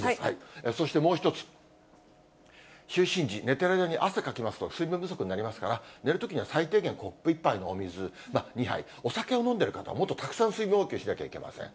そしてもう一つ、就寝時、寝ている間に汗かきますと、水分不足になりますから、寝るときには最低限、コップ１杯のお水、２杯、お酒を飲んでいる方、もっとたくさん水分補給しなきゃいけません。